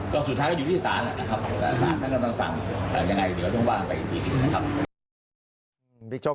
ก็ถ้าลืมการก็ทำมาบุคการของบราทกรรม